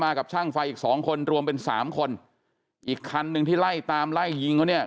กับช่างไฟอีกสองคนรวมเป็นสามคนอีกคันหนึ่งที่ไล่ตามไล่ยิงเขาเนี่ย